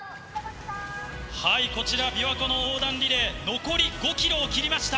こちら、びわ湖の横断リレー、残り５キロを切りました。